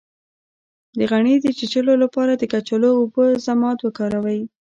د غڼې د چیچلو لپاره د کچالو او اوبو ضماد وکاروئ